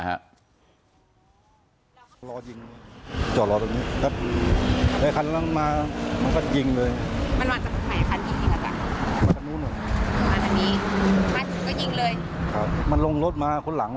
หลังลงรถก็ยิงเลยเห็นที่คันนั้นมายิง